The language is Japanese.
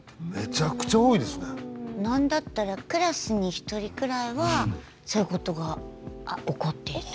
何だったらクラスに１人くらいはそういうことが起こっている。